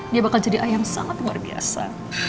dia bakal jadi ayam sangat luar biasa